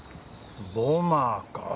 ボマーか。